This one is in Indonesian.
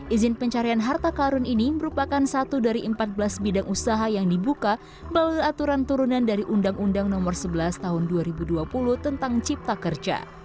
izin pencarian harta karun ini merupakan satu dari empat belas bidang usaha yang dibuka melalui aturan turunan dari undang undang nomor sebelas tahun dua ribu dua puluh tentang cipta kerja